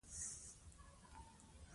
لوستې میندې د ماشومانو د خوړو وخت منظم ساتي.